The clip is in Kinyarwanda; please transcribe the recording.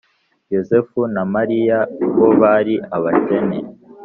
. Yosefu na Mariya bo bari abakene